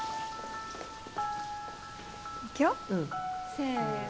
せの！